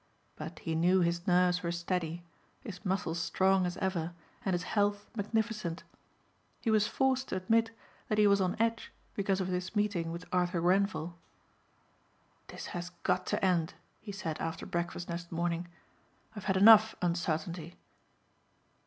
But he knew his nerves were steady, his muscles strong as ever and his health magnificent. He was forced to admit that he was on edge because of this meeting with Arthur Grenvil. "This has got to end," he said after breakfast next morning, "I've had enough uncertainty."